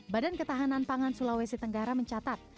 badan ketahanan pangan sulawesi tenggara mencatat